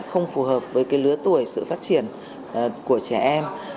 không phù hợp với lứa tuổi sự phát triển của trẻ em